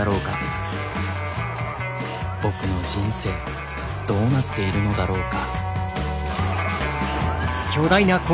僕の人生どうなっているのだろうか。